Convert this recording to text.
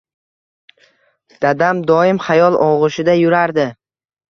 Dadam doim xayol og‘ushida yurardi.